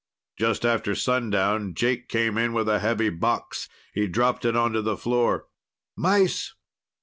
Just after sundown, Jake came in with a heavy box. He dropped it onto the floor. "Mice!"